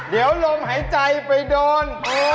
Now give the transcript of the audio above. เดี๋ยวลมหายใจไปโดน